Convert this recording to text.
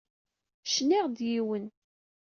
Cniɣ-d yiwen.